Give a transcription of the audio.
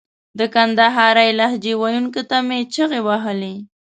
د کندهارۍ لهجې ویونکو ته مې چیغې وهلې.